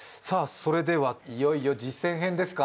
それではいよいよ実践編ですか？